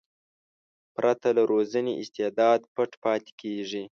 پرته له روزنې استعداد پټ پاتې کېږي.